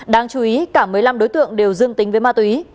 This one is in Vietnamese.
đáng chú ý cả một mươi năm đối tượng đều dương tính với ma túy